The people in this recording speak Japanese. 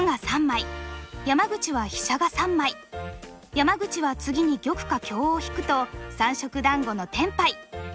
山口は次に玉か香を引くと三色団子のテンパイ！